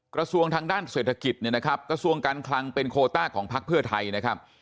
ทางด้านเศรษฐกิจเนี่ยนะครับกระทรวงการคลังเป็นโคต้าของพักเพื่อไทยนะครับ